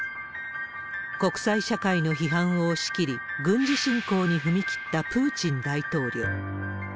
国際社会の批判を押し切り、軍事侵攻に踏み切ったプーチン大統領。